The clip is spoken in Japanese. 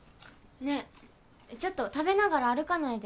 ねえちょっと食べながら歩かないで。